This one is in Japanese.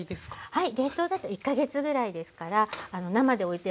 はい。